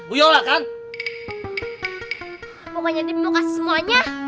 pokoknya dimuka semuanya